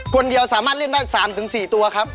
คนเดียวสามารถเล่นได้๓๔ตัวครับ